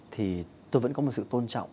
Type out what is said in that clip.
thì tôi vẫn có một sự tôn trọng